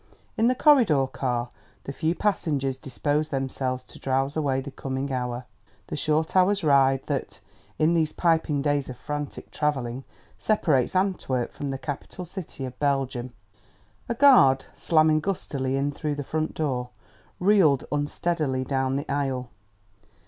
In the corridor car the few passengers disposed themselves to drowse away the coming hour the short hour's ride that, in these piping days of frantic traveling, separates Antwerp from the capital city of Belgium. A guard, slamming gustily in through the front door, reeled unsteadily down the aisle.